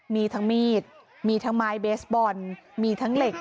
มีทั้งมีดมีทั้งไม้เบสบอลมีทั้งเหล็ก